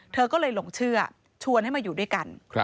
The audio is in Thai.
เธอก็เลยหลงเชื่อชวนให้มาอยู่ด้วยกัน